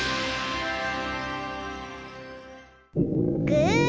ぐ！